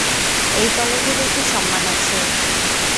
এই কলেজের একটি সম্মান আছে।